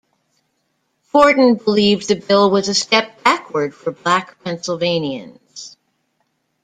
Forten believed the bill was a step backward for black Pennsylvanians.